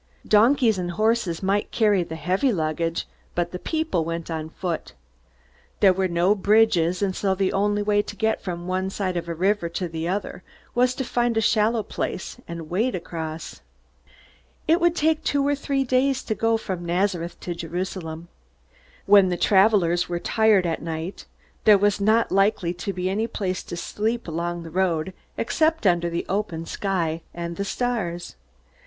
Donkeys and horses might carry the heavy luggage, but the people went on foot. There were no bridges, and so the only way to get from one side of a river to the other was to find a shallow place and wade across. It would take two or three days to go from Nazareth to Jerusalem. When the travelers were tired at night, there was not likely to be any place to sleep along the road, except under the open sky and the stars.